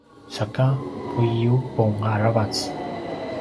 saka puiyubung aravac